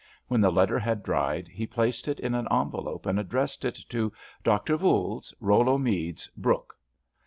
When the letter had dried he placed it in an envelope and addressed it to "Dr. Voules, Rollo Meads, Brooke."